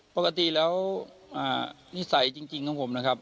ปกติแล้วนิสัยจริงของผมนะครับ